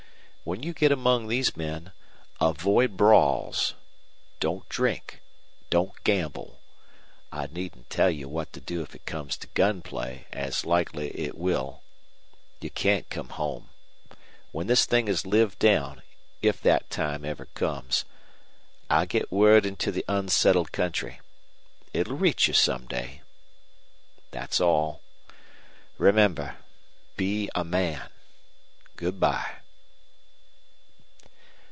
When you get among these men avoid brawls. Don't drink; don't gamble. I needn't tell you what to do if it comes to gun play, as likely it will. You can't come home. When this thing is lived down, if that time ever comes, I'll get word into the unsettled country. It'll reach you some day. That's all. Remember, be a man. Goodby."